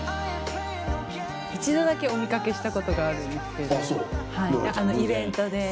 一度だけお見掛けしたことがあるんですけどイベントで。